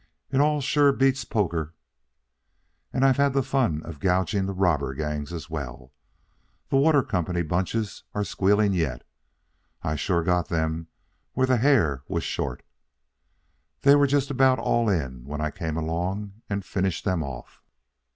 It all sure beats poker. And I've had the fun of gouging the robber gangs as well. The water company bunches are squealing yet. I sure got them where the hair was short. They were just about all in when I came along and finished them off."